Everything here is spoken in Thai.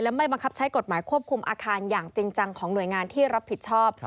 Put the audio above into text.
ไม่บังคับใช้กฎหมายควบคุมอาคารอย่างจริงจังของหน่วยงานที่รับผิดชอบ